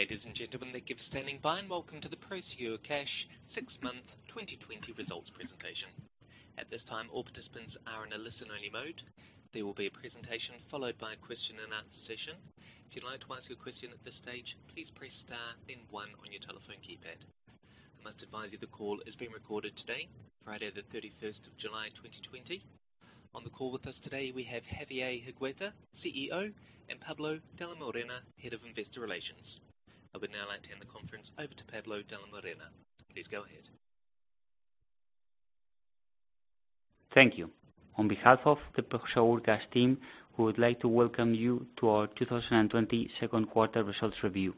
Ladies and gentlemen, thank you for standing by, and welcome to the Prosegur Cash Six-Month 2020 Results Presentation. At this time, all participants are in a listen-only mode. There will be a presentation followed by a question and answer session. If you'd like to ask a question at this stage, please press star then one on your telephone keypad. I must advise you the call is being recorded today, Friday the 31st of July 2020. On the call with us today, we have Javier Hergueta, CFO, and Pablo de la Morena, Head of Investor Relations. I would now like to hand the conference over to Pablo de la Morena. Please go ahead. Thank you. On behalf of the Prosegur Cash team, we would like to welcome you to our 2020 second quarter results review.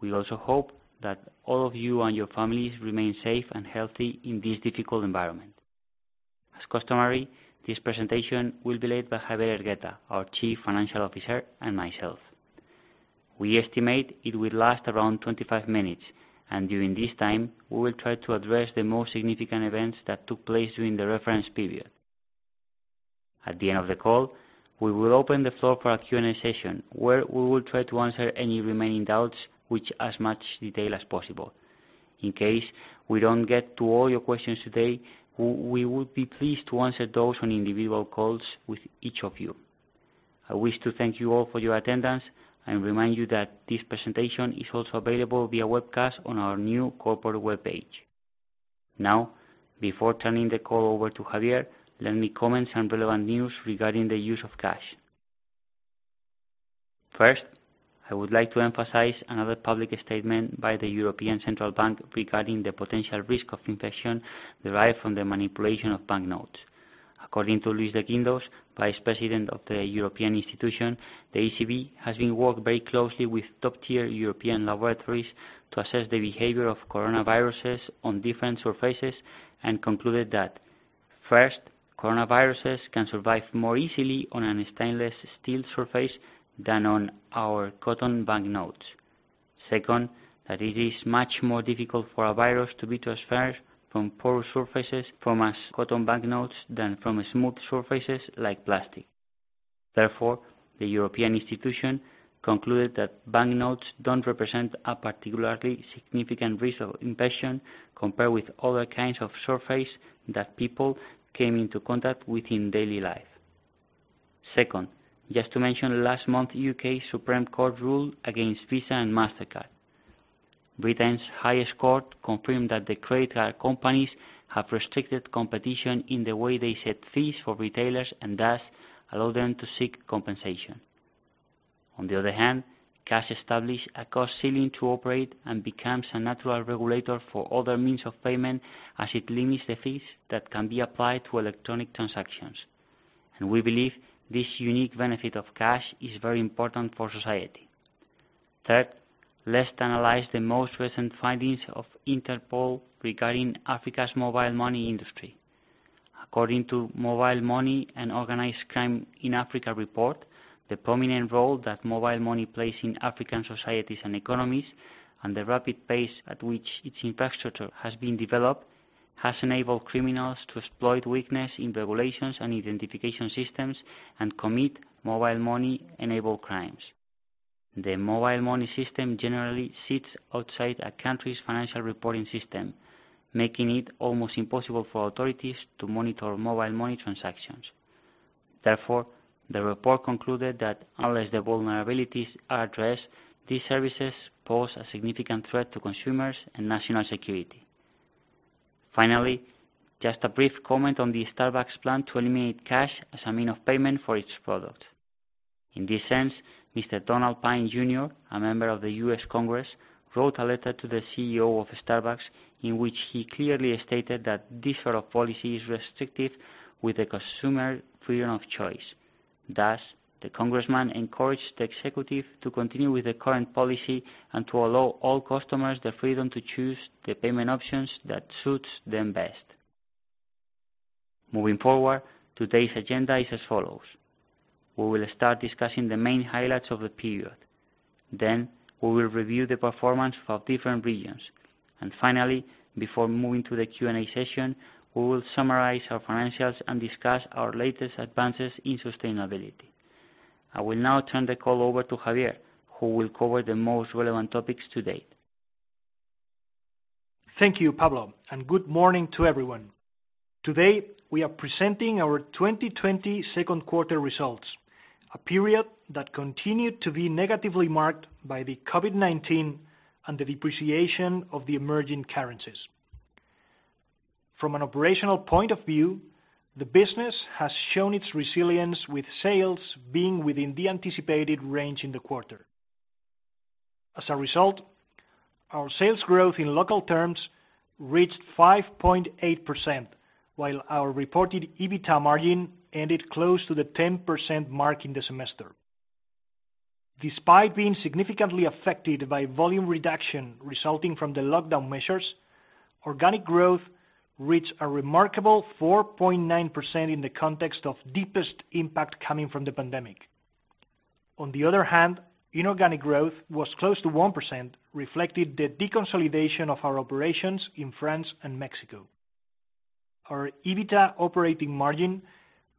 We also hope that all of you and your families remain safe and healthy in this difficult environment. As customary, this presentation will be led by Javier Hergueta, our Chief Financial Officer, and myself. During this time, we estimate it will last around 25 minutes, we will try to address the most significant events that took place during the reference period. At the end of the call, we will open the floor for a Q&A session where we will try to answer any remaining doubts with as much detail as possible. In case we don't get to all your questions today, we would be pleased to answer those on individual calls with each of you. I wish to thank you all for your attendance and remind you that this presentation is also available via webcast on our new corporate webpage. Now, before turning the call over to Javier, let me comment on relevant news regarding the use of cash. First, I would like to emphasize another public statement by the European Central Bank regarding the potential risk of infection derived from the manipulation of banknotes. According to Luis de Guindos, Vice President of the European Institution, the ECB has been working very closely with top-tier European laboratories to assess the behavior of Coronaviruses on different surfaces and concluded that, first, Coronaviruses can survive more easily on a stainless steel surface than on our cotton banknotes. Second, that it is much more difficult for a virus to be transferred from porous surfaces from cotton banknotes than from smooth surfaces like plastic. Therefore, the European institution concluded that banknotes don't represent a particularly significant risk of infection compared with other kinds of surface that people came into contact with in daily life. Second, just to mention last month, U.K. Supreme Court ruled against Visa and Mastercard. Britain's highest court confirmed that the credit card companies have restricted competition in the way they set fees for retailers and thus allow them to seek compensation. On the other hand, cash established a cost ceiling to operate and becomes a natural regulator for other means of payment as it limits the fees that can be applied to electronic transactions. We believe this unique benefit of cash is very important for society. Third, let's analyze the most recent findings of Interpol regarding Africa's mobile money industry. According to mobile money and organized crime in Africa report, the prominent role that mobile money plays in African societies and economies and the rapid pace at which its infrastructure has been developed has enabled criminals to exploit weakness in regulations and identification systems and commit mobile money-enabled crimes. The mobile money system generally sits outside a country's financial reporting system, making it almost impossible for authorities to monitor mobile money transactions. Therefore, the report concluded that unless the vulnerabilities are addressed, these services pose a significant threat to consumers and national security. Finally, just a brief comment on the Starbucks plan to eliminate cash as a means of payment for its product. In this sense, Mr. Donald Payne Jr., a Member of the U.S. Congress, wrote a letter to the CEO of Starbucks, in which he clearly stated that this sort of policy is restrictive with the consumer freedom of choice. Thus, the congressman encouraged the executive to continue with the current policy and to allow all customers the freedom to choose the payment options that suits them best. Moving forward, today's agenda is as follows. We will start discussing the main highlights of the period. Then we will review the performance of different regions. Finally, before moving to the Q&A session, we will summarize our financials and discuss our latest advances in sustainability. I will now turn the call over to Javier, who will cover the most relevant topics today. Thank you, Pablo, and good morning to everyone. Today, we are presenting our 2020 second quarter results, a period that continued to be negatively marked by the COVID-19 and the depreciation of the emerging currencies. From an operational point of view, the business has shown its resilience, with sales being within the anticipated range in the quarter. As a result, our sales growth in local terms reached 5.8%, while our reported EBITA margin ended close to the 10% mark in the semester. Despite being significantly affected by volume reduction resulting from the lockdown measures, organic growth reached a remarkable 4.9% in the context of deepest impact coming from the pandemic. On the other hand, inorganic growth was close to 1%, reflecting the deconsolidation of our operations in France and Mexico. Our EBITDA operating margin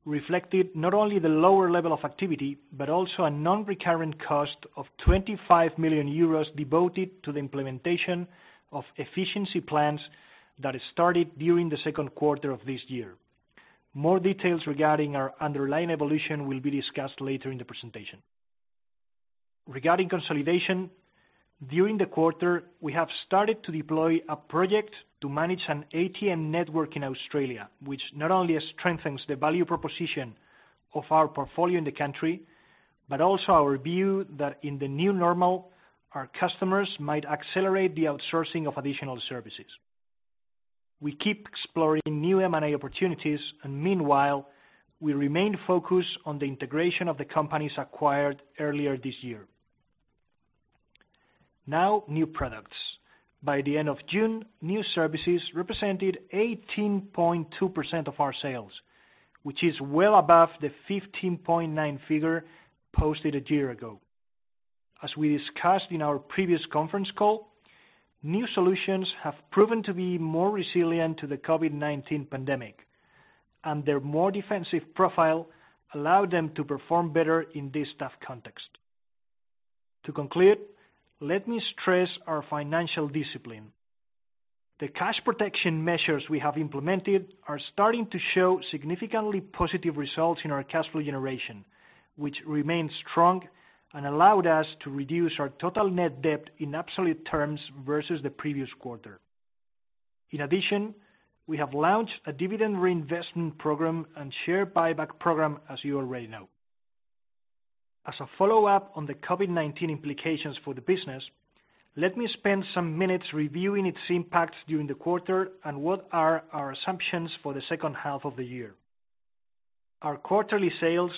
reflected not only the lower level of activity, but also a non-recurrent cost of 25 million euros devoted to the implementation of efficiency plans that started during the second quarter of this year. More details regarding our underlying evolution will be discussed later in the presentation. Regarding Consolidation, during the quarter, we have started to deploy a project to manage an ATM network in Australia, which not only strengthens the value proposition of our portfolio in the country, but also our view that in the new normal, our customers might accelerate the outsourcing of additional services. We keep exploring new M&A opportunities, and meanwhile, we remain focused on the integration of the companies acquired earlier this year. Now, New Products. By the end of June, new services represented 18.2% of our sales, which is well above the 15.9 figure posted a year ago. As we discussed in our previous conference call, new solutions have proven to be more resilient to the COVID-19 pandemic, and their more defensive profile allowed them to perform better in this tough context. To conclude, let me stress our financial discipline. The cash protection measures we have implemented are starting to show significantly positive results in our cash flow generation, which remains strong and allowed us to reduce our total net debt in absolute terms versus the previous quarter. In addition, we have launched a dividend reinvestment program and share buyback program, as you already know. As a follow-up on the COVID-19 implications for the business, let me spend some minutes reviewing its impacts during the quarter and what are our assumptions for the second half of the year. Our quarterly sales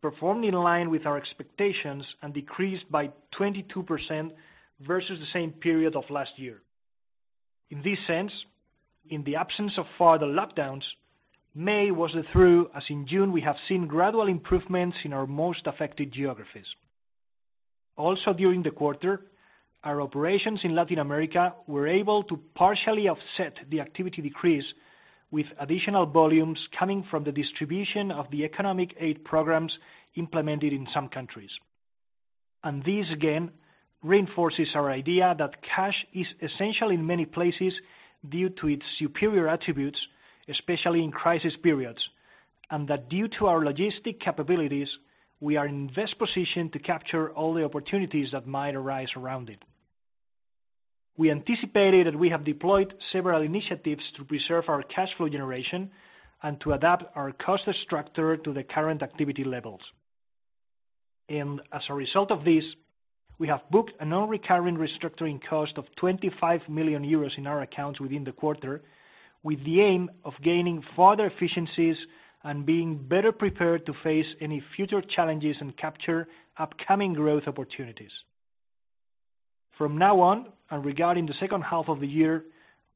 performed in line with our expectations and decreased by 22% versus the same period of last year. In this sense, in the absence of further lockdowns, May was trough, as in June, we have seen gradual improvements in our most affected geographies. Also during the quarter, our operations in Latin America were able to partially offset the activity decrease with additional volumes coming from the distribution of the economic aid programs implemented in some countries. This again reinforces our idea that cash is essential in many places due to its superior attributes, especially in crisis periods, and that due to our logistic capabilities, we are in the best position to capture all the opportunities that might arise around it. We anticipated that we have deployed several initiatives to preserve our cash flow generation and to adapt our cost structure to the current activity levels. As a result of this, we have booked a non-recurring restructuring cost of 25 million euros in our accounts within the quarter, with the aim of gaining further efficiencies and being better prepared to face any future challenges and capture upcoming growth opportunities. From now on and regarding the second half of the year,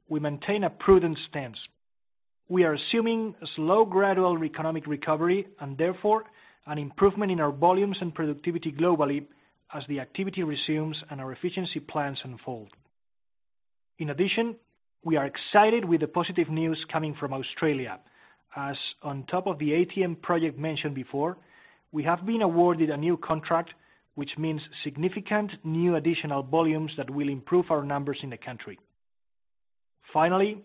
we maintain a prudent stance. We are assuming a slow, gradual economic recovery, and therefore an improvement in our volumes and productivity globally as the activity resumes and our efficiency plans unfold. In addition, we are excited with the positive news coming from Australia, as on top of the ATM project mentioned before, we have been awarded a new contract, which means significant new additional volumes that will improve our numbers in the country. Finally,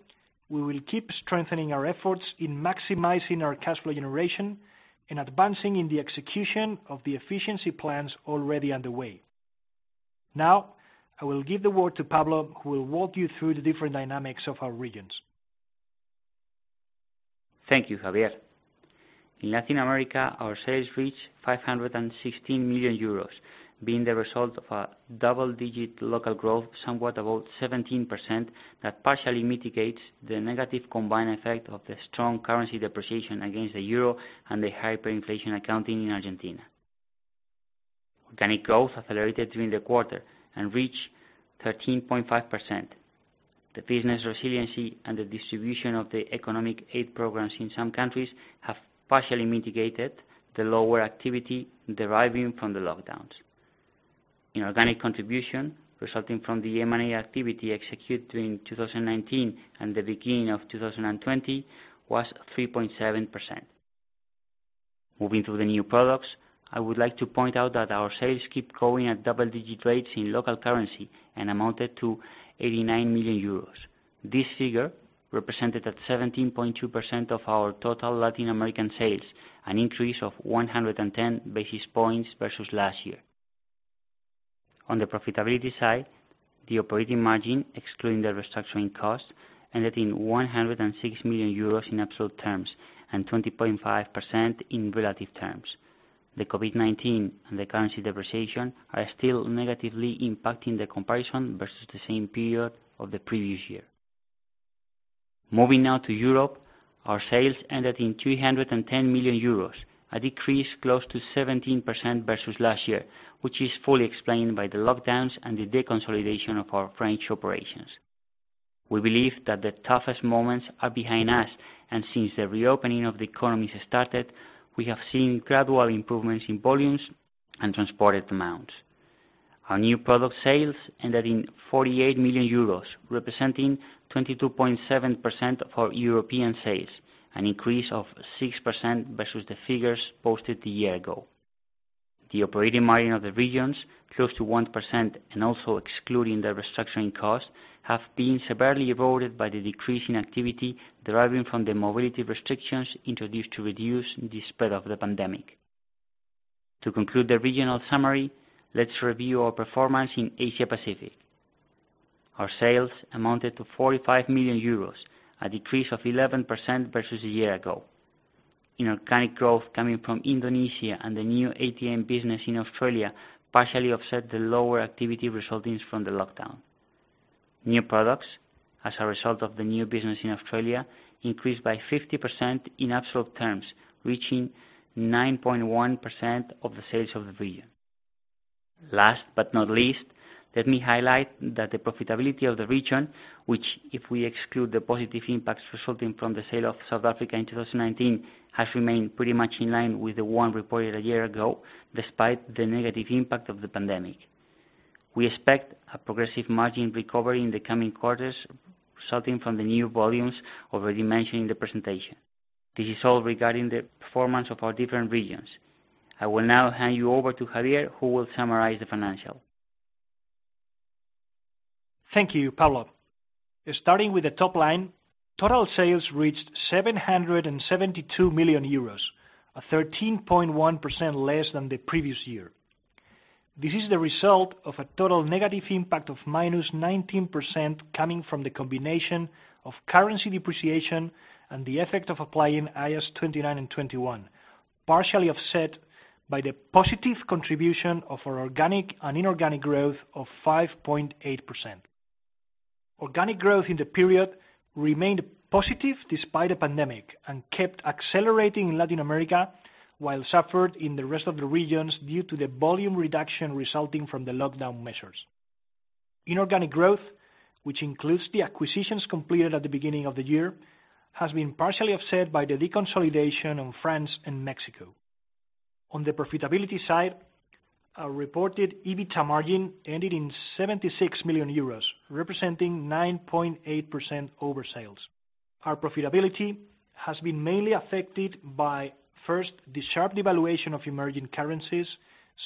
we will keep strengthening our efforts in maximizing our cash flow generation and advancing in the execution of the efficiency plans already underway. Now, I will give the word to Pablo, who will walk you through the different dynamics of our regions. Thank you, Javier. In Latin America, our sales reached 516 million euros, being the result of a double-digit local growth, somewhat about 17%, that partially mitigates the negative combined effect of the strong currency depreciation against the Euro and the hyperinflation accounting in Argentina. Organic growth accelerated during the quarter and reached 13.5%. The business resiliency and the distribution of the economic aid programs in some countries have partially mitigated the lower activity deriving from the lockdowns. Inorganic contribution resulting from the M&A activity executed during 2019 and the beginning of 2020 was 3.7%. Moving to the New Products, I would like to point out that our sales keep growing at double-digit rates in local currency and amounted to 89 million euros. This figure represented at 17.2% of our total Latin American sales, an increase of 110 basis points versus last year. On the profitability side, the operating margin, excluding the restructuring cost, ended in 106 million euros in absolute terms and 20.5% in relative terms. The COVID-19 and the currency depreciation are still negatively impacting the comparison versus the same period of the previous year. Moving now to Europe, our sales ended in 310 million euros, a decrease close to 17% versus last year, which is fully explained by the lockdowns and the deconsolidation of our French operations. We believe that the toughest moments are behind us, and since the reopening of the economies started, we have seen gradual improvements in volumes and transported amounts. Our new product sales ended in 48 million euros, representing 22.7% of our European sales, an increase of 6% versus the figures posted a year ago. The operating margin of the regions, close to 1% and also excluding the restructuring costs, have been severely eroded by the decrease in activity deriving from the mobility restrictions introduced to reduce the spread of the pandemic. To conclude the regional summary, let's review our performance in Asia Pacific. Our sales amounted to 45 million euros, a decrease of 11% versus a year ago. Inorganic growth coming from Indonesia and the new ATM business in Australia partially offset the lower activity resulting from the lockdown. New Products, as a result of the new business in Australia, increased by 50% in absolute terms, reaching 9.1% of the sales of the region. Last but not least, let me highlight that the profitability of the region, which, if we exclude the positive impacts resulting from the sale of South Africa in 2019, has remained pretty much in line with the one reported a year ago, despite the negative impact of the pandemic. We expect a progressive margin recovery in the coming quarters resulting from the new volumes already mentioned in the presentation. This is all regarding the performance of our different regions. I will now hand you over to Javier, who will summarize the financial. Thank you, Pablo. Starting with the top line, total sales reached 772 million euros, 13.1% less than the previous year. This is the result of a total negative impact of -19% coming from the combination of currency depreciation and the effect of applying IAS 29 and 21, partially offset by the positive contribution of our organic and inorganic growth of 5.8%. Organic growth in the period remained positive despite the pandemic and kept accelerating in Latin America while suffered in the rest of the regions due to the volume reduction resulting from the lockdown measures. Inorganic growth, which includes the acquisitions completed at the beginning of the year, has been partially offset by the deconsolidation on France and Mexico. On the profitability side, our reported EBITA margin ended in 76 million euros, representing 9.8% over sales. Our profitability has been mainly affected by, first, the sharp devaluation of emerging currencies,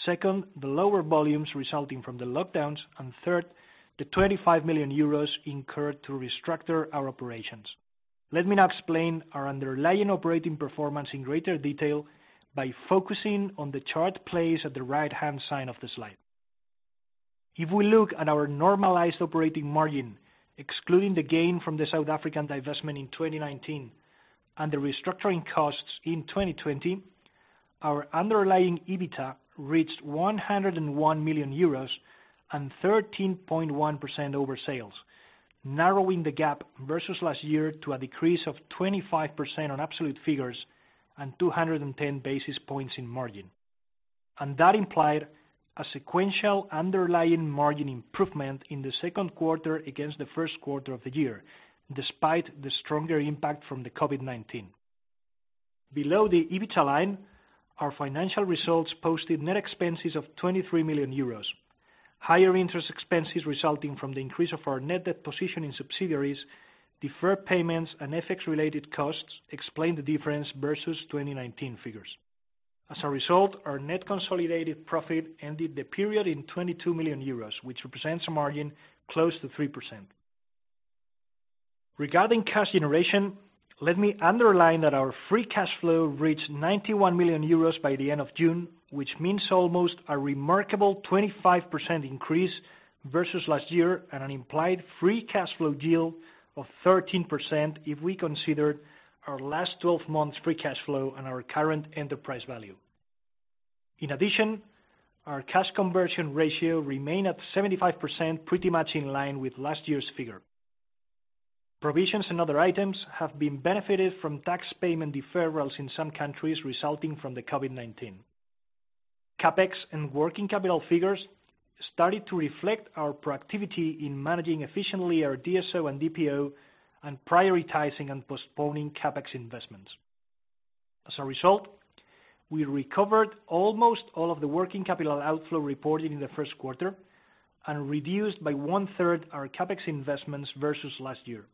second, the lower volumes resulting from the lockdowns, and third, the 25 million euros incurred to restructure our operations. Let me now explain our underlying operating performance in greater detail by focusing on the chart placed at the right-hand side of the slide. If we look at our normalized operating margin, excluding the gain from the South African divestment in 2019 and the restructuring costs in 2020, our underlying EBITDA reached 101 million euros and 13.1% over sales, narrowing the gap versus last year to a decrease of 25% on absolute figures and 210 basis points in margin. That implied a sequential underlying margin improvement in the second quarter against the first quarter of the year, despite the stronger impact from the COVID-19. Below the EBITDA line, our financial results posted net expenses of 23 million euros. Higher interest expenses resulting from the increase of our net debt position in subsidiaries, deferred payments, and FX-related costs explain the difference versus 2019 figures. As a result, our net consolidated profit ended the period in 22 million euros, which represents a margin close to 3%. Regarding cash generation, let me underline that our free cash flow reached 91 million euros by the end of June, which means almost a remarkable 25% increase versus last year and an implied free cash flow yield of 13% if we consider our last 12 months' free cash flow and our current enterprise value. In addition, our cash conversion ratio remained at 75%, pretty much in line with last year's figure. Provisions and other items have been benefited from tax payment deferrals in some countries resulting from the COVID-19. CapEx and working capital figures started to reflect our proactivity in managing efficiently our DSO and DPO and prioritizing and postponing CapEx investments. As a result, we recovered almost all of the working capital outflow reported in the first quarter and reduced by 1/3 our CapEx investments versus last year.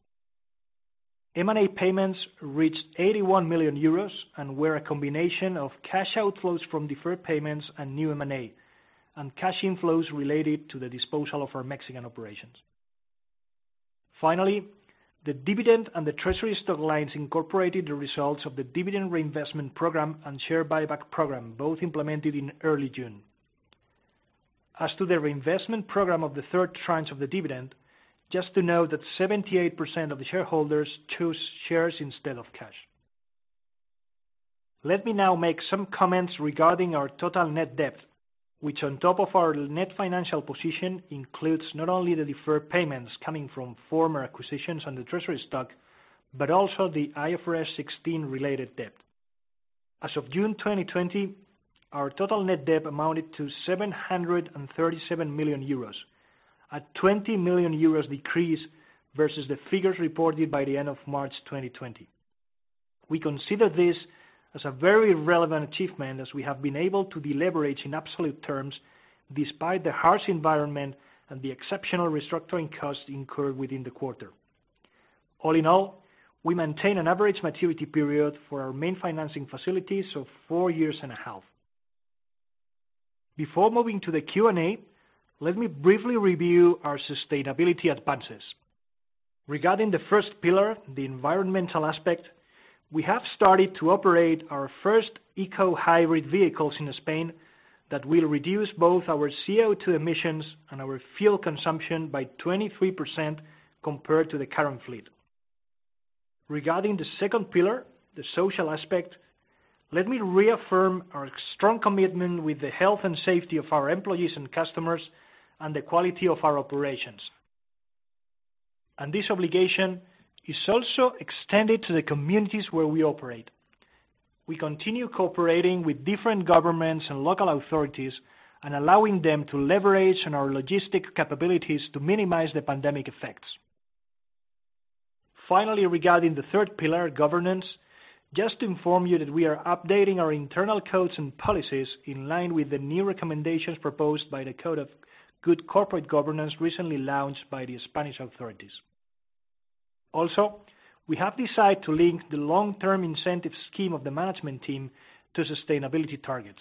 M&A payments reached 81 million euros and were a combination of cash outflows from deferred payments and new M&A and cash inflows related to the disposal of our Mexican operations. Finally, the dividend and the treasury stock lines incorporated the results of the Dividend Reinvestment Program and Share Buyback Program, both implemented in early June. As to the Reinvestment Program of the third tranche of the dividend, just to note that 78% of the shareholders chose shares instead of cash. Let me now make some comments regarding our total net debt, which on top of our net financial position, includes not only the deferred payments coming from former acquisitions on the treasury stock, but also the IFRS 16 related debt. As of June 2020, our total net debt amounted to 737 million euros, a 20 million decrease versus the figures reported by the end of March 2020. We consider this as a very relevant achievement as we have been able to deleverage in absolute terms, despite the harsh environment and the exceptional restructuring costs incurred within the quarter. All in all, we maintain an average maturity period for our main financing facilities of four years and a half. Before moving to the Q&A, let me briefly review our sustainability advances. Regarding the first pillar, the Environmental Aspect, we have started to operate our first eco hybrid vehicles in Spain that will reduce both our CO2 emissions and our fuel consumption by 23% compared to the current fleet. Regarding the second pillar, the Social Aspect, let me reaffirm our strong commitment with the health and safety of our employees and customers and the quality of our operations. This obligation is also extended to the communities where we operate. We continue cooperating with different governments and local authorities and allowing them to leverage on our logistic capabilities to minimize the pandemic effects. Regarding the third pillar, Governance, just to inform you that we are updating our internal codes and policies in line with the new recommendations proposed by the Code of Good Corporate Governance recently launched by the Spanish authorities. Also, we have decided to link the long-term incentive scheme of the management team to sustainability targets.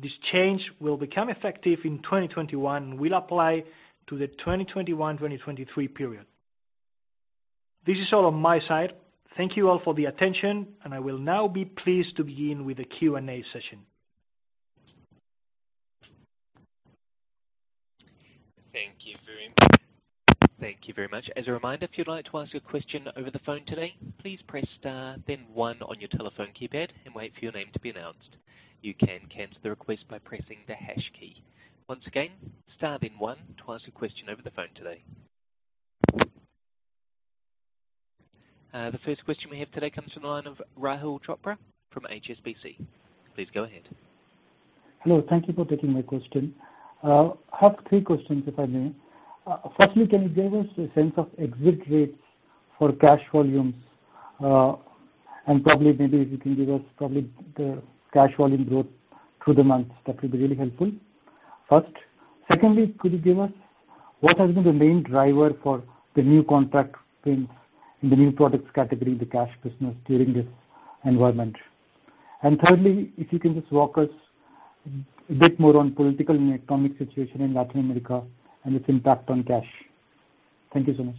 This change will become effective in 2021 and will apply to the 2021, 2023 period. This is all on my side. Thank you all for the attention, and I will now be pleased to begin with the Q&A session. Thank you very much. Thank you very much. As a reminder, if you'd like to ask a question over the phone today, please press star then one on your telephone keypad and wait for your name to be announced. You can cancel the request by pressing the hash key. Once again, star then one to ask a question over the phone today. The first question we have today comes from the line of Rahul Chopra from HSBC. Please go ahead. Hello. Thank you for taking my question. I have three questions, if I may. Firstly, can you give us a sense of exit rates for cash volumes? Probably, maybe if you can give us probably the cash volume growth through the months, that would be really helpful, first. Secondly, could you give us what has been the main driver for the new contract wins in the New Products category in the cash business during this environment? Thirdly, if you can just walk us a bit more on political and economic situation in Latin America and its impact on cash. Thank you so much.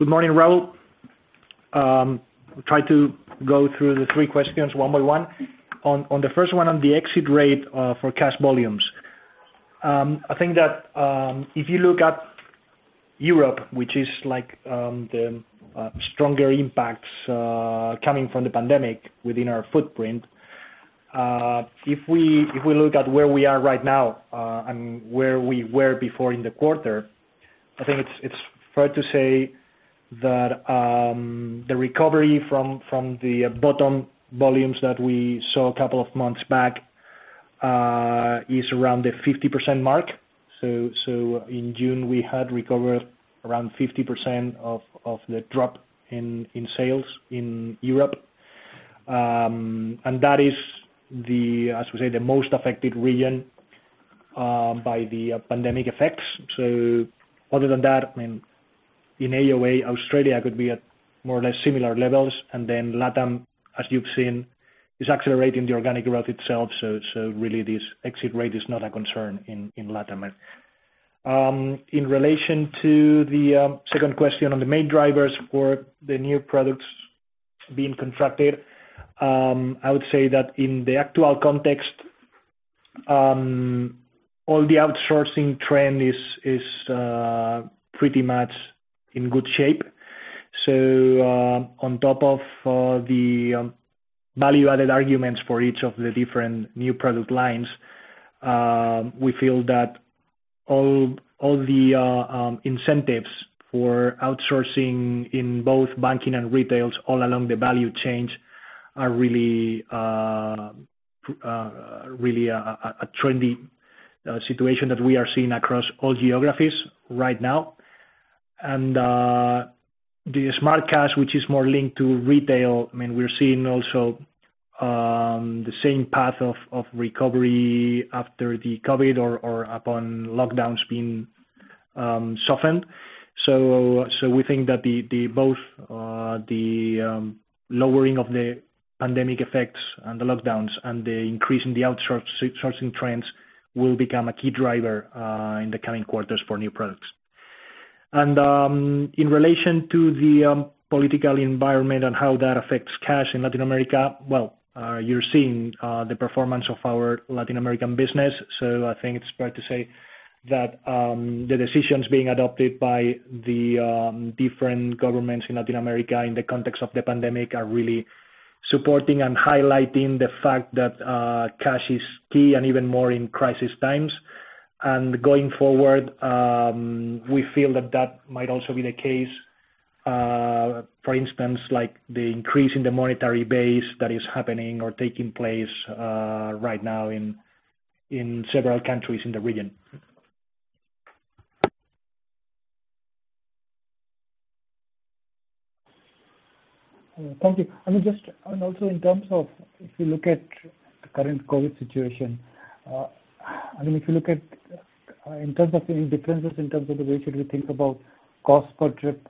Good morning, Rahul. I'll try to go through the three questions one by one. On the first one, on the exit rate for cash volumes. I think that if you look at Europe, which is the stronger impacts coming from the pandemic within our footprint. If we look at where we are right now, and where we— where we were before in the quarter, I think it's fair to say that the recovery from the bottom volumes that we saw a couple of months back, is around the 50% mark. So, so, in June, we had recovered around 50% of the drop in sales in Europe. That is the, I should say, the most affected region by the pandemic effects. Other than that, I mean, AOA, Australia could be at more or less similar levels. LATAM, as you've seen, is accelerating the organic growth itself, so, so really this exit rate is not a concern in LATAM. In relation to the second question on the main drivers for the New Products being contracted. I would say that in the actual context, all the outsourcing trend is pretty much in good shape. On top of the value-added arguments for each of the different new product lines, we feel that all the incentives for outsourcing in both banking and retails all along the value chain are really a trendy situation that we are seeing across all geographies right now. The Smart Cash, which is more linked to retail, we're seeing also the same path of recovery after the COVID or upon lockdowns being softened. We think that both the lowering of the pandemic effects and the lockdowns and the increase in the outsourcing trends will become a key driver in the coming quarters for New Products. In relation to the political environment and how that affects cash in Latin America. Well, you're seeing the performance of our Latin American business. I think it's fair to say that the decisions being adopted by the different governments in Latin America in the context of the pandemic are really supporting and highlighting the fact that cash is key, and even more in crisis times. And going forward, we feel that that might also be the case. For instance, like the increase in the monetary base that is happening or taking place right now in several countries in the region. Thank you. Also in terms of if you look at the current COVID situation, in terms of any differences in terms of the way should we think about cost per trip,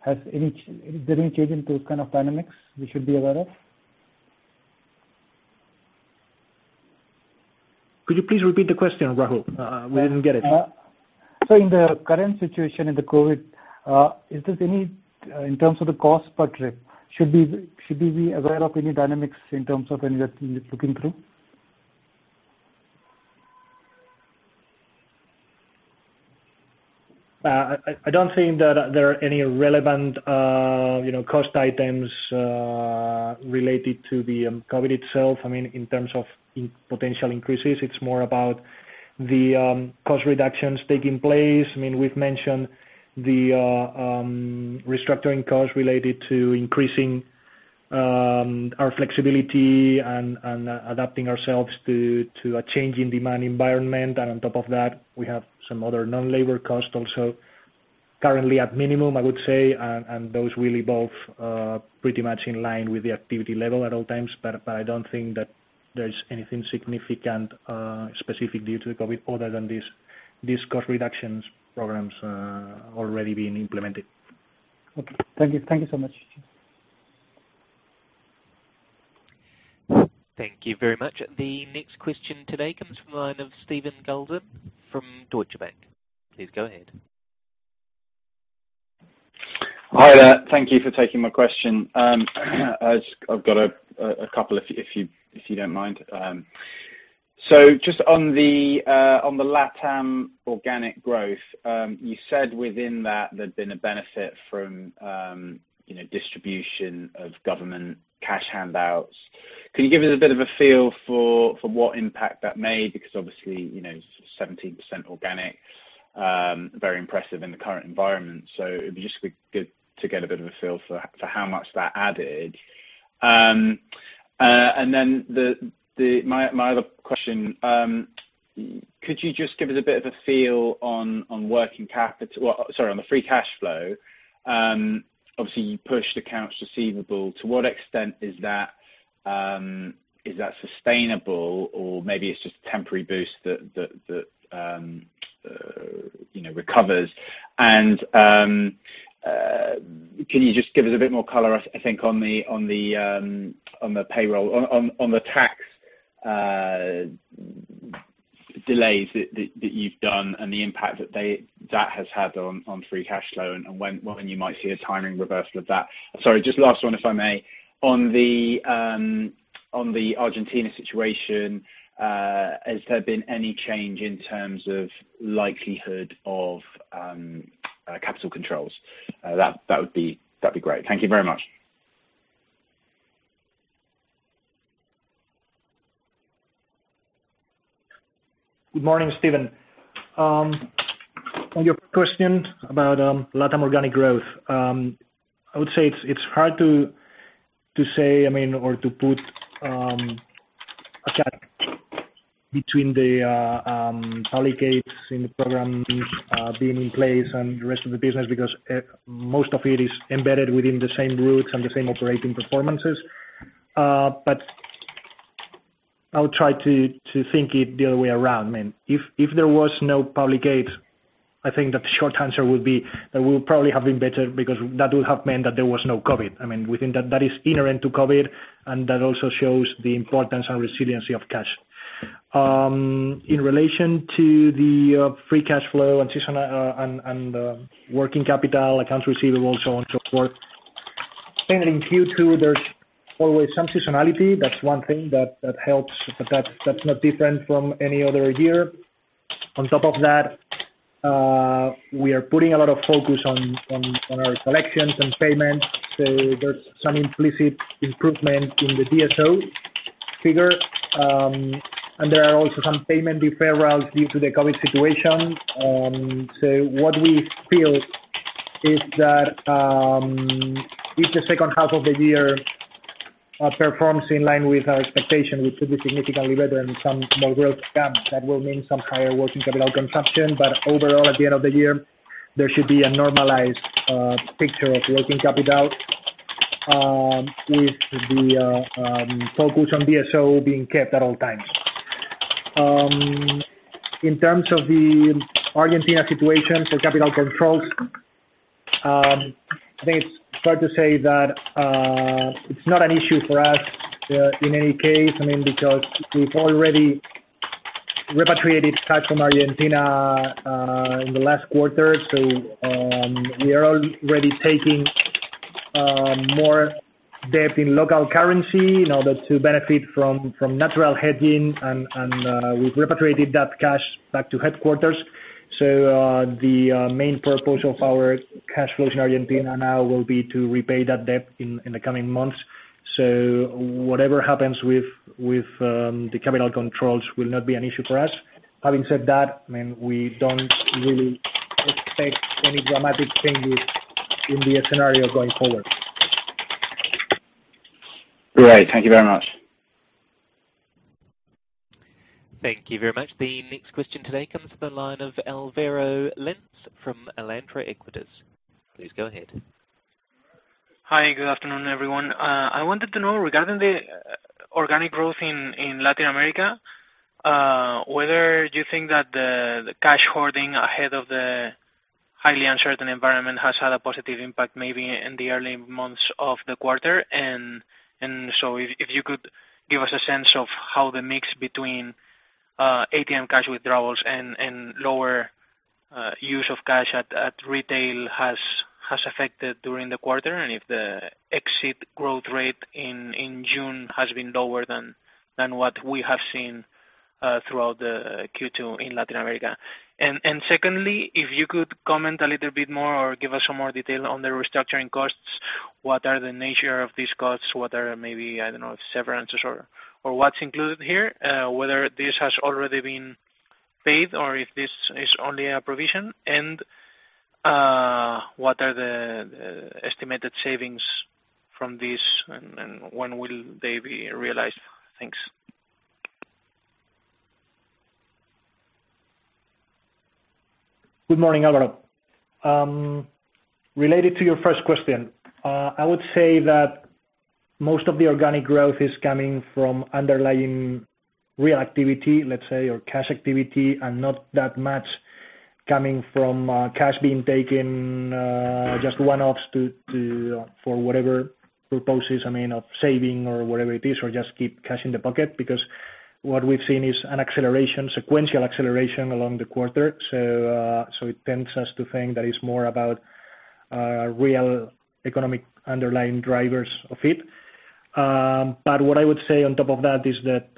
has there been change in those kind of dynamics we should be aware of? Could you please repeat the question, Rahul? We didn't get it. In the current situation in the COVID, in terms of the cost per trip, should we be aware of any dynamics in terms of any that you're looking through? I don't think that there are any relevant cost items related to the COVID itself, in terms of potential increases. It's more about the cost reductions taking place. We've mentioned the restructuring costs related to increasing our flexibility and adapting ourselves to a change in demand environment. On top of that, we have some other non-labor cost also currently at minimum, I would say, and those really both pretty much in line with the activity level at all times, but I don't think that there's anything significant specific due to the COVID other than these cost reductions programs already being implemented. Okay. Thank you so much. Thank you very much. The next question today comes from the line of Steven Goulden from Deutsche Bank. Please go ahead. Hi there. Thank you for taking my question. I've got a couple if you don't mind. Just on the LatAm organic growth, you said within that there'd been a benefit from distribution of government cash handouts. Can you give us a bit of a feel for what impact that made? Obviously, 17% organic, very impressive in the current environment, so it would just be good to get a bit of a feel for how much that added. My other question, could you just give us a bit of a feel on the free cash flow? Obviously, you pushed accounts receivable. To what extent is that sustainable, or maybe it's just a temporary boost that recovers? And can you just give us a bit more color, I think on the tax delays that you've done and the impact that that has had on free cash flow and when you might see a timing reversal of that? Sorry, just last one, if I may. On the Argentina situation, has there been any change in terms of likelihood of capital controls? That'd be great. Thank you very much. Good morning, Steven. On your question about LATAM organic growth, I would say it's hard to say or to put a cap between the public aids in the programs being in place and the rest of the business because most of it is embedded within the same routes and the same operating performances. I would try to think it the other way around. If there was no public aid, I think that the short answer would be that we would probably have been better because that would have meant that there was no COVID. Within that is inherent to COVID, and that also shows the importance and resiliency of cash. In relation to the free cash flow and working capital, accounts receivable, so on and so forth, in Q2, there's always some seasonality. That's one thing that helps, but that's not different from any other year. On top of that, we are putting a lot of focus on our collections and payments. There's some implicit improvement in the DSO figure. And there are also some payment deferrals due to the COVID situation. What we feel is that if the second half of the year performs in line with our expectation, which should be significantly better in some more growth gaps, that will mean some higher working capital consumption. Overall, at the end of the year, there should be a normalized picture of working capital with the focus on DSO being kept at all times. In terms of the Argentina situation for capital controls, I think it's fair to say that it's not an issue for us in any case, because we've already repatriated cash from Argentina in the last quarter. We are already taking more debt in local currency in order to benefit from natural hedging, and we've repatriated that cash back to headquarters. So, the main purpose of our cash flows in Argentina now will be to repay that debt in the coming months. Whatever happens with the capital controls will not be an issue for us. Having said that, we don't really expect any dramatic changes in the scenario going forward. Great. Thank you very much. Thank you very much. The next question today comes from the line of Álvaro Lenze from Alantra Equities. Please go ahead. Hi. Good afternoon, everyone. I wanted to know, regarding the organic growth in Latin America, whether you think that the cash hoarding ahead of the highly uncertain environment has had a positive impact, maybe in the early months of the quarter. If you could give us a sense of how the mix between ATM cash withdrawals and lower use of cash at retail has affected during the quarter, and if the exit growth rate in June has been lower than what we have seen throughout the Q2 in Latin America. Secondly, if you could comment a little bit more or give us some more detail on the restructuring costs, what are the nature of these costs? What are maybe, I don't know, severances or what's included here, whether this has already been paid or if this is only a provision, and what are the estimated savings from this, and when will they be realized? Thanks. Good morning, Álvaro. Related to your first question, I would say that most of the organic growth is coming from underlying real activity, let's say, or cash activity, and not that much coming from cash being taken, just one-offs for whatever purposes, of saving or whatever it is, or just keep cash in the pocket, because what we've seen is an acceleration, sequential acceleration along the quarter. It tempts us to think that it's more about real economic underlying drivers of it. What I would say on top of that is that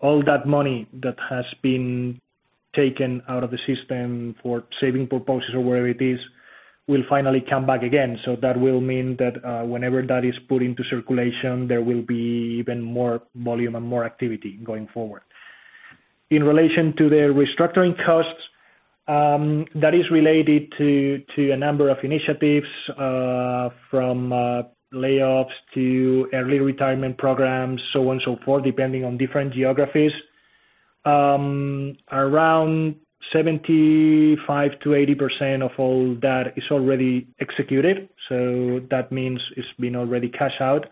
all that money that has been taken out of the system for saving purposes or whatever it is, will finally come back again. That will mean that, whenever that is put into circulation, there will be even more volume and more activity going forward. In relation to the restructuring costs, that is related to a number of initiatives, from layoffs to early retirement programs, so on and so forth, depending on different geographies. Around 75%-80% of all that is already executed. That means it's been already cashed out,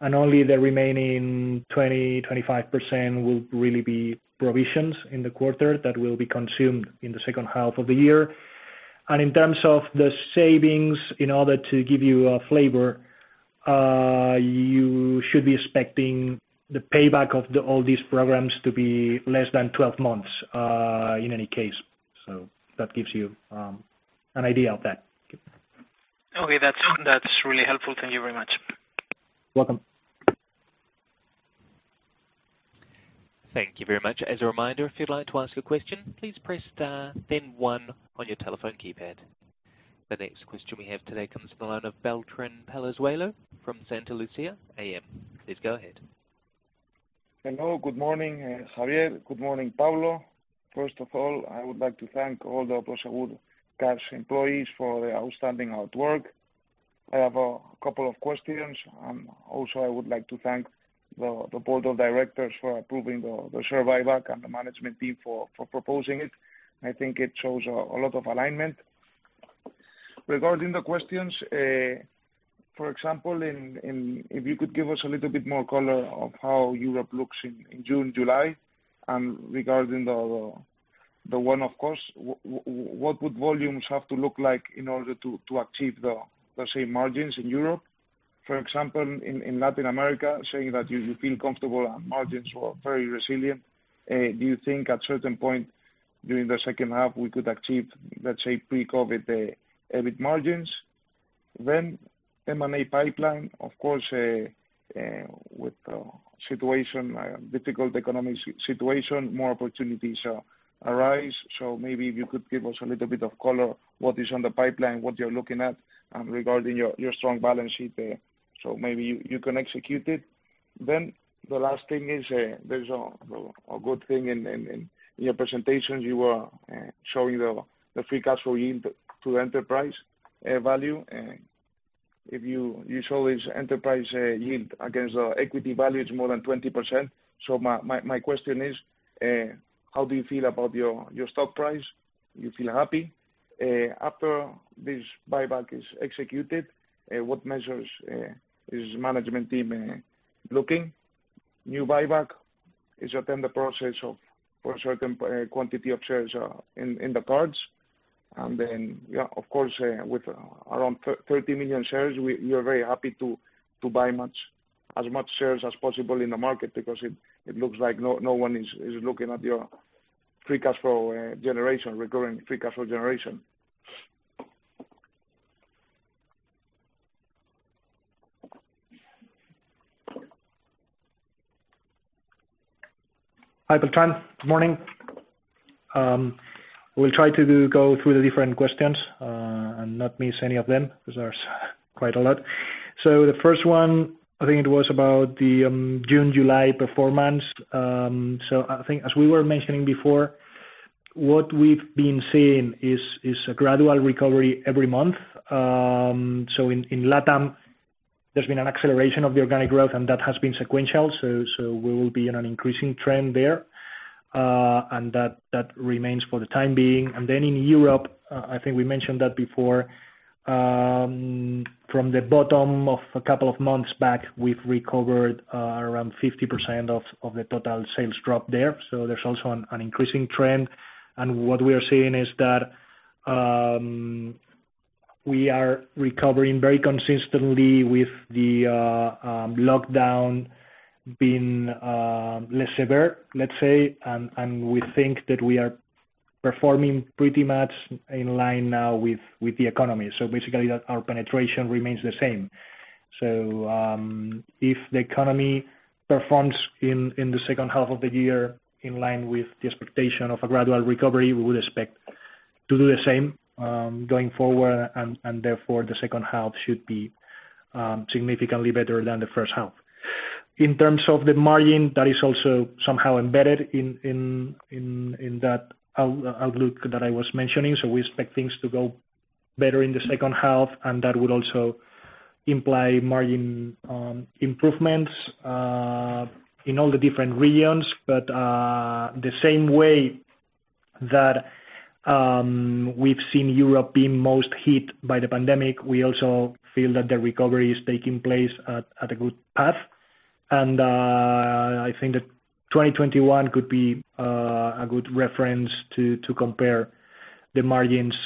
and only the remaining 20%, 25% will really be provisions in the quarter that will be consumed in the second half of the year. In terms of the savings, in order to give you a flavor, you should be expecting the payback of all these programs to be less than 12 months, in any case. That gives you an idea of that. Okay. That's really helpful. Thank you very much. Welcome. Thank you very much. As a reminder, if you'd like to ask a question, please press star then one on your telephone keypad. The next question we have today comes from the line of Beltrán Palazuelo from Santalucía AM. Please go ahead. Hello. Good morning, Javier Good morning, Pablo. First of all, I would like to thank all the Prosegur Cash employees for their outstanding hard work. I have a couple of questions. I would like to thank the Board of Directors for approving the share buyback and the management team for proposing it. I think it shows a lot of alignment. Regarding the questions, for example, if you could give us a little bit more color of how Europe looks in June, July, and regarding the one-off cost, what would volumes have to look like in order to achieve the same margins in Europe? For example, in Latin America, saying that you feel comfortable and margins were very resilient, do you think at a certain point during the second half, we could achieve, let's say, pre-COVID-19 EBIT margins? M&A pipeline, of course, with difficult economic situation, more opportunities arise? So, maybe if you could give us a little bit of color, what is on the pipeline, what you're looking at, and regarding your strong balance sheet, so maybe you can execute it. The last thing is, there's a good thing in your presentation, you were showing the free cash flow yield to enterprise value. If you show this enterprise yield against equity value, it's more than 20%. My question is, how do you feel about your stock price? You feel happy? After this buyback is executed, what measures is management team looking? New buyback? Is it in the process of for a certain quantity of shares in the cards? And then, yeah, of course, with around 30 million shares, we are very happy to buy as much shares as possible in the market because it looks like no one is looking at your free cash flow generation, recurring free cash flow generation. Hi, Beltrán, morning. We'll try to go through the different questions, and not miss any of them, because there's quite a lot. The first one, I think it was about the June, July performance. I think as we were mentioning before, what we've been seeing is a gradual recovery every month. So in LATAM, there's been an acceleration of the organic growth, and that has been sequential, so we will be in an increasing trend there. That remains for the time being. And then in Europe, I think we mentioned that before, from the bottom of a couple of months back, we've recovered around 50% of the total sales drop there. There's also an increasing trend. What we are seeing is that we are recovering very consistently with the lockdown being less severe, let's say, and we think that we are performing pretty much in line now with the economy. Basically, our penetration remains the same. If the economy performs in the second half of the year in line with the expectation of a gradual recovery, we would expect to do the same, going forward, and therefore, the second half should be significantly better than the first half. In terms of the margin, that is also somehow embedded in that outlook that I was mentioning. We expect things to go better in the second half, and that would also imply margin improvements in all the different regions. The same way that we've seen Europe being most hit by the pandemic, we also feel that the recovery is taking place at a good path, and I think that 2021 could be a good reference to compare the margins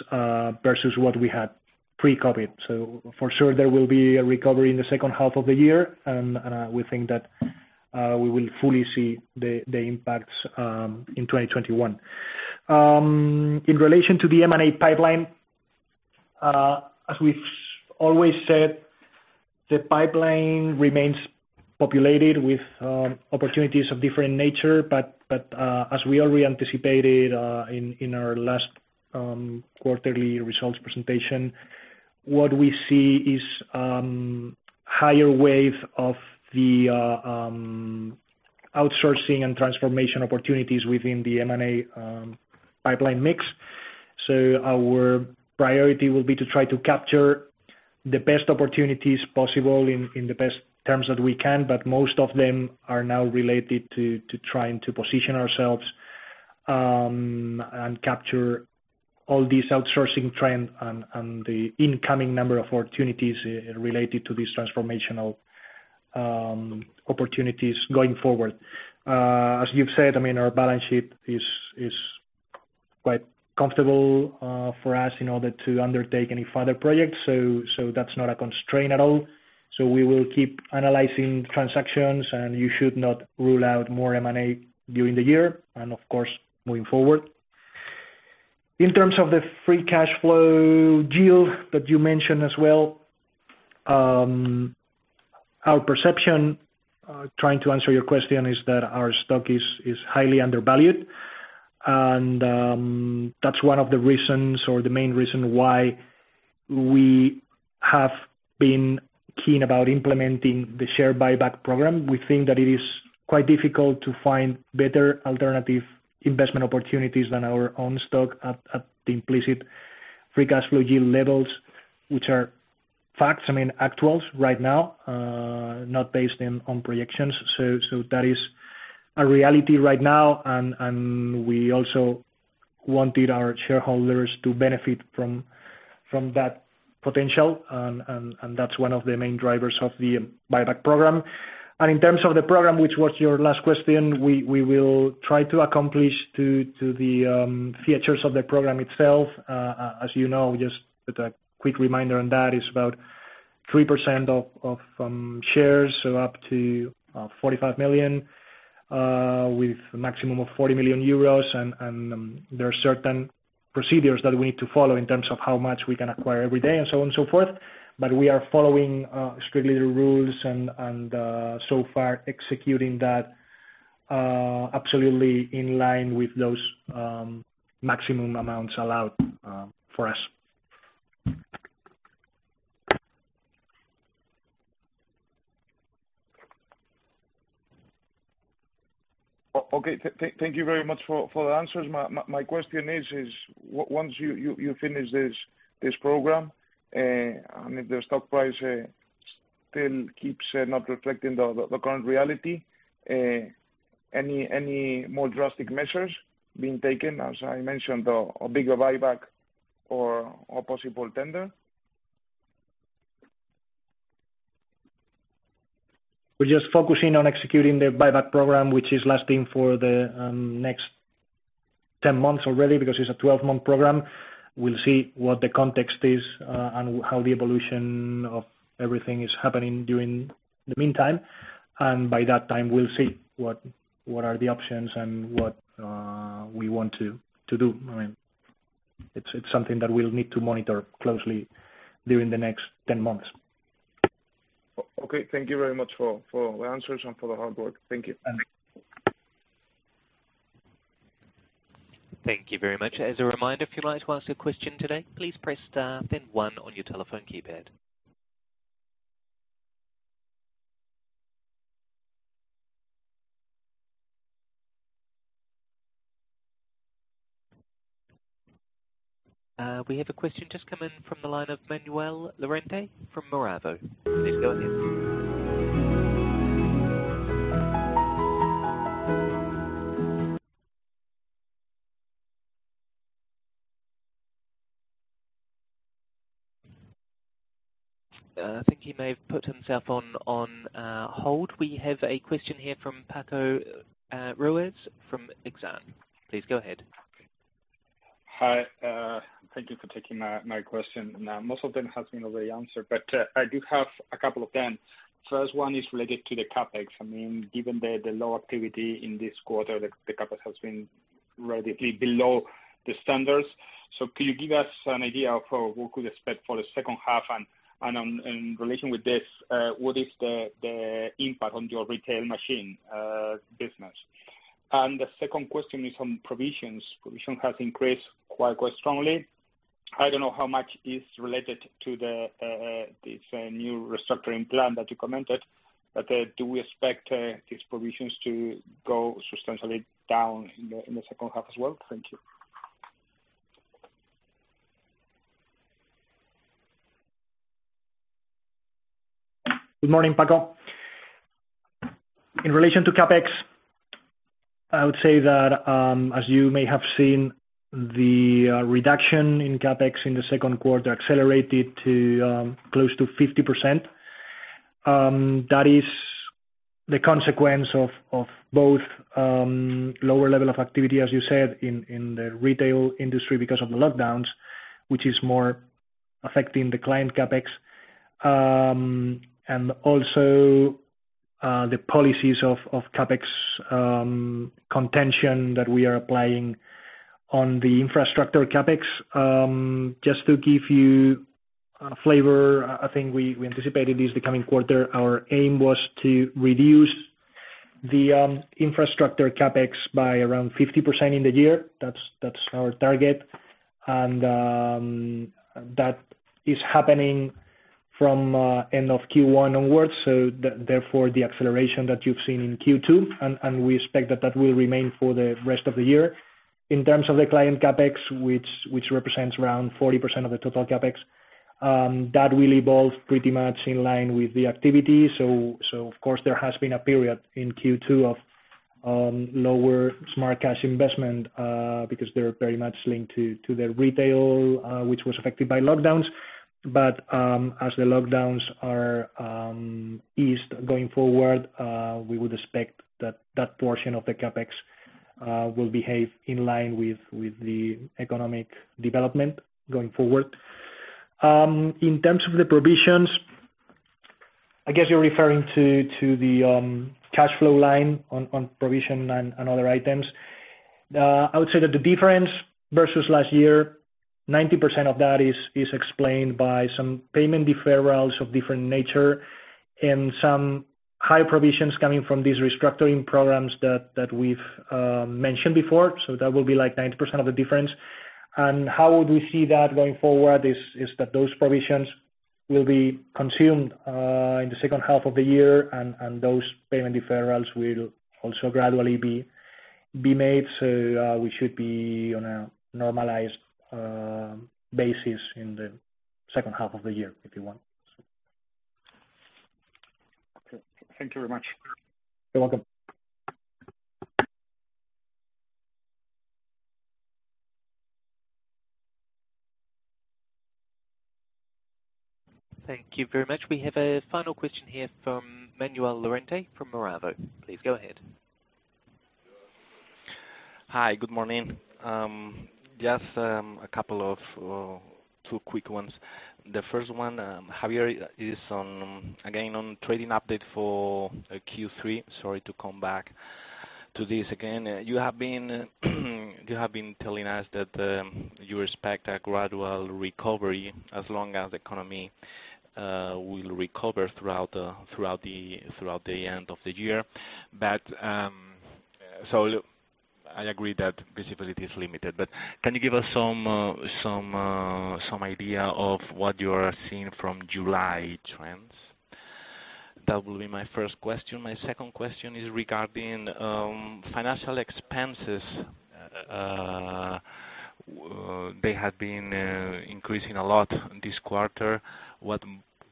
versus what we had pre-COVID. For sure, there will be a recovery in the second half of the year. We think that we will fully see the impacts in 2021. In relation to the M&A pipeline, as we've always said, the pipeline remains populated with opportunities of different nature. As we already anticipated in our last quarterly results presentation, what we see is higher wave of the outsourcing and transformation opportunities within the M&A pipeline mix. So our priority will be to try to capture the best opportunities possible in the best terms that we can, but most of them are now related to trying to position ourselves, and capture all these outsourcing trend and the incoming number of opportunities related to these transformational opportunities going forward. As you've said, our balance sheet is quite comfortable for us in order to undertake any further projects. That's not a constraint at all. So we will keep analyzing transactions, and you should not rule out more M&A during the year, and of course, moving forward. In terms of the free cash flow yield that you mentioned as well, our perception, trying to answer your question, is that our stock is highly undervalued. That's one of the reasons or the main reason why we have been keen about implementing the share buyback program. We think that it is quite difficult to find better alternative investment opportunities than our own stock at the implicit free cash flow yield levels, which are facts, actuals right now, not based on projections. That is a reality right now, and we also wanted our shareholders to benefit from that potential. That's one of the main drivers of the buyback program. In terms of the program, which was your last question, we will try to accomplish to the features of the program itself. As you know, just a quick reminder on that, it's about 3% of shares, so up to 45 million, with a maximum of 40 million euros, and there are certain procedures that we need to follow in terms of how much we can acquire every day and so on and so forth. But we are following strictly the rules and so far executing that absolutely in line with those maximum amounts allowed for us. Okay. Thank you very much for the answers. My question is, once you finish this program, and if the stock price still keeps not reflecting the current reality, any more drastic measures being taken, as I mentioned, a bigger buyback or possible tender? We're just focusing on executing the buyback program, which is lasting for the next 10 months already because it's a 12-month program. We'll see what the context is, how the evolution of everything is happening during the meantime. By that time, we'll see what are the options and what we want to do. It's something that we'll need to monitor closely during the next 10 months. Okay, thank you very much for the answers and for the hard work. Thank you. Thank you very much. As a reminder, if you'd like to ask a question today, please press star then one on your telephone keypad. We have a question just come in from the line of Manuel Lorente from Mirabaud. Please go ahead. I think he may have put himself on hold. We have a question here from Paco Ruiz from Exane. Please go ahead. Hi. Thank you for taking my question. Most of them have been already answered. I do have a couple of them. First one is related to the CapEx. Given the low activity in this quarter, the CapEx has been radically below the standards. Could you give us an idea of what we could expect for the second half? In relation with this, what is the impact on your retail machine business? The second question is on provisions. Provision has increased quite strongly. I don't know how much is related to this new restructuring plan that you commented. Do we expect these provisions to go substantially down in the second half as well? Thank you. Good morning, Paco. In relation to CapEx, I would say that, as you may have seen, the reduction in CapEx in the second quarter accelerated to close to 50%. That is the consequence of both lower level of activity, as you said, in the retail industry because of the lockdowns, which is more affecting the client CapEx, and also the policies of CapEx contention that we are applying on the infrastructure CapEx. Just to give you a flavor, I think we anticipated this the coming quarter. Our aim was to reduce the infrastructure CapEx by around 50% in the year. That's our target, and that is happening from end of Q1 onwards. Therefore, the acceleration that you've seen in Q2, and we expect that will remain for the rest of the year. In terms of the client CapEx, which represents around 40% of the total CapEx, that will evolve pretty much in line with the activity. Of course, there has been a period in Q2 of lower Smart Cash investment, because they're very much linked to the retail, which was affected by lockdowns. As the lockdowns are eased going forward, we would expect that portion of the CapEx will behave in line with the economic development going forward. In terms of the provisions, I guess you're referring to the cash flow line on provision and other items. I would say that the difference versus last year, 90% of that is explained by some payment deferrals of different nature and some high provisions coming from these restructuring programs that we've mentioned before. That will be 90% of the difference. How would we see that going forward is that those provisions will be consumed, in the second half of the year, and those payment deferrals will also gradually be made. So we should be, you know, on a normalized basis in the second half of the year, if you want. Okay. Thank you very much. Welcome. Thank you very much. We have a final question here from Manuel Lorente from Mirabaud. Please go ahead. Hi. Good morning. Just two quick ones. The first one, Javier, is on, again, on trading update for Q3. Sorry to come back to this again. You have been telling us that you expect a gradual recovery as long as the economy will recover throughout the end of the year. I agree that visibility is limited, but can you give us some idea of what you are seeing from July trends? That will be my first question. My second question is regarding financial expenses. They have been increasing a lot this quarter. What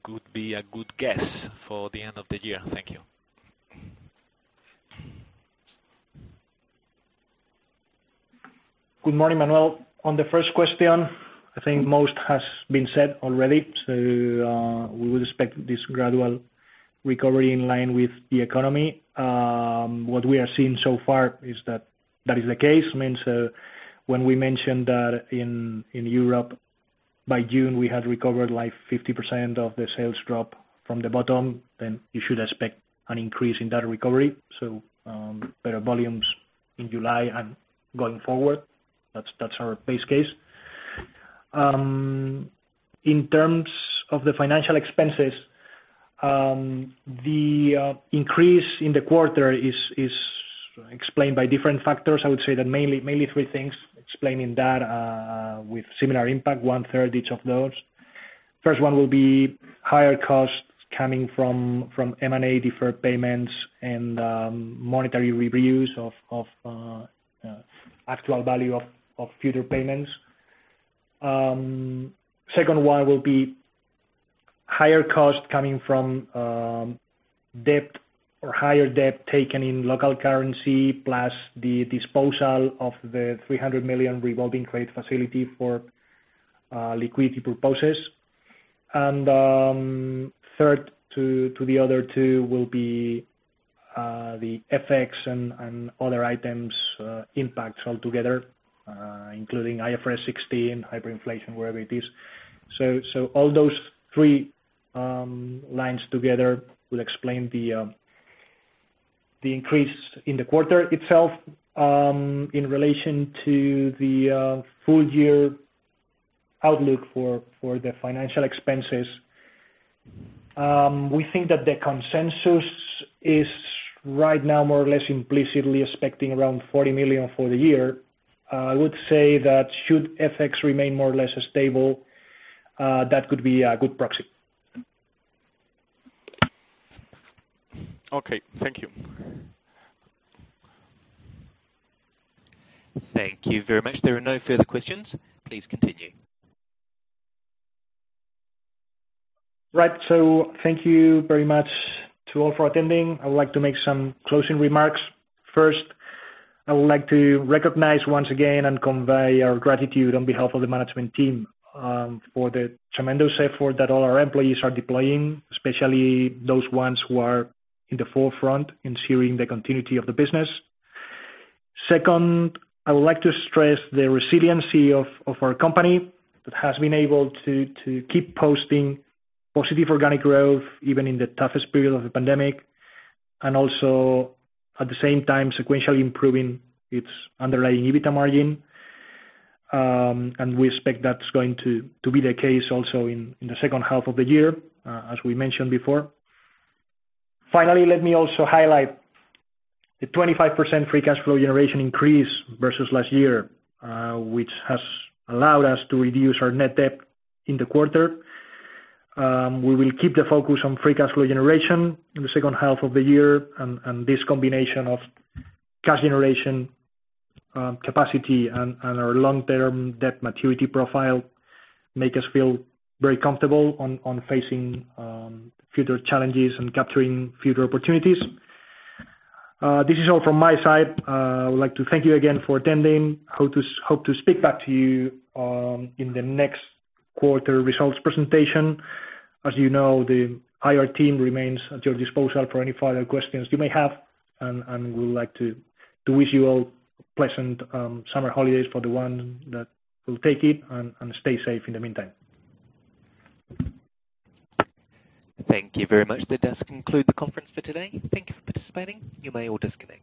could be a good guess for the end of the year? Thank you. Good morning, Manuel. On the first question, I think most has been said already. We would expect this gradual recovery in line with the economy. What we are seeing so far is that is the case. When we mentioned that in Europe by June, we had recovered 50% of the sales drop from the bottom, you should expect an increase in that recovery. Better volumes in July and going forward. That's our base case. In terms of the financial expenses, the increase in the quarter is explained by different factors. I would say that mainly three things explaining that, with similar impact, 1/3 each of those. First one will be higher costs coming from M&A deferred payments and monetary reviews of actual value of future payments. Second one will be higher cost coming from debt or higher debt taken in local currency, plus the disposal of the 300 million revolving credit facility for liquidity purposes. Third to the other two will be the FX and other items impacts altogether, including IFRS 16, hyperinflation, wherever it is. So, so, all those three lines together will explain the increase in the quarter itself, in relation to the full year outlook for the financial expenses. We think that the consensus is right now more or less implicitly expecting around 40 million for the year. I would say that should FX remain more or less stable, that could be a good proxy. Okay. Thank you. Thank you very much. There are no further questions. Please continue. Thank you very much to all for attending. I would like to make some closing remarks. First, I would like to recognize once again and convey our gratitude on behalf of the management team, for the tremendous effort that all our employees are deploying, especially those ones who are in the forefront ensuring the continuity of the business. Second, I would like to stress the resiliency of our company that has been able to keep posting positive organic growth even in the toughest period of the pandemic. Also, at the same time, sequentially improving its underlying EBITDA margin. We expect that's going to be the case also in the second half of the year, as we mentioned before. Finally, let me also highlight the 25% free cash flow generation increase versus last year, which has allowed us to reduce our net debt in the quarter. We will keep the focus on free cash flow generation in the second half of the year. This combination of cash generation capacity and our long-term debt maturity profile make us feel very comfortable on facing future challenges and capturing future opportunities. This is all from my side. I would like to thank you again for attending. Hope to speak back to you in the next quarter results presentation. As you know, the IR team remains at your disposal for any further questions you may have, and we would like to wish you all pleasant summer holidays for the one that will take it, and stay safe in the meantime. Thank you very much. That does conclude the conference for today. Thank you for participating. You may all disconnect.